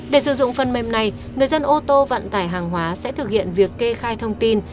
để sử dụng phần mềm này người dân ô tô vận tải hàng hóa sẽ thực hiện việc kê khai thông tin